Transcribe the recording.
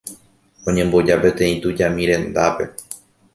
Oñemboja peteĩ tujami rendápe.